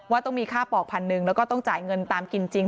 ว่าต้องมีค่าปอกพันหนึ่งแล้วก็ต้องจ่ายเงินตามกินจริง